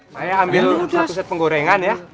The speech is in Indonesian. saya ambil satu set penggorengan ya